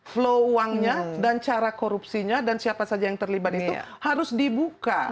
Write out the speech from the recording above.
flow uangnya dan cara korupsinya dan siapa saja yang terlibat itu harus dibuka